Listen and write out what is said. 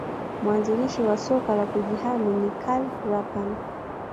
Mwanzilishi wa soka la kujihami ni Karl Rapan